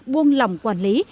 buông lỏng quản lý